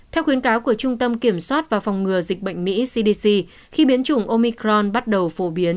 theo khuyến cáo của trung tâm kiểm soát và phòng ngừa dịch bệnh mỹ cdc khi biến chủng omicron bắt đầu phổ biến